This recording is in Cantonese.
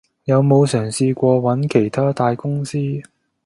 有冇嘗試過揾其它大公司？